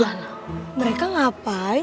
gak loh mereka ngapain